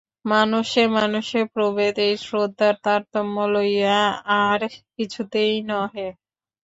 মানুষে মানুষে প্রভেদ এই শ্রদ্ধার তারতম্য লইয়া, আর কিছুতেই নহে।